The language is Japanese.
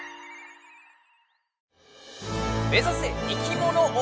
目ざせいきもの王！